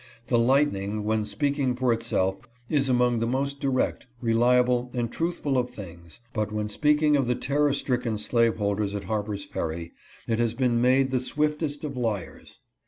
The lightning, when speaking for itself, is among the most direct, reliable, and truthful of things; but when speaking of the terror stricken slaveholders at Harper's Ferry, it has been made the swiftest of liars.